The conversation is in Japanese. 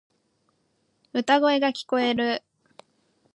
歌声が聞こえる。